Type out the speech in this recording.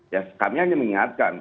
ya kami hanya mengingatkan